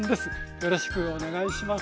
よろしくお願いします。